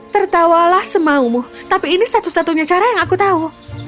tertawalah semaumu tapi ini satu satunya cara yang aku tahu